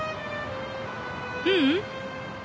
ううん。